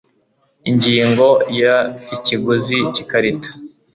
Ingingo ya Ikiguzi cy ikarita